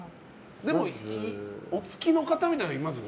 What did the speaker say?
でも、お付きの方みたいなのはいますよね。